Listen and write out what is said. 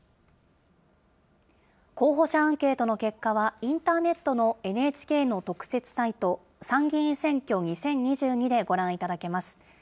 候補者アンケートの結果は、インターネットのＮＨＫの特設サイト、参議院選挙２０２２でご覧いただけます。